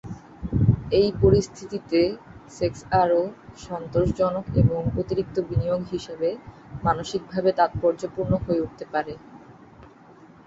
এই পরিস্থিতিতে সেক্স আরো সন্তোষজনক এবং অতিরিক্ত বিনিয়োগ হিসাবে মানসিকভাবে তাৎপর্যপূর্ণ হয়ে উঠতে পারে।